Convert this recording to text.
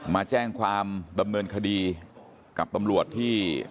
มาแจ้งความดำเนินคดีกับตำรวจที่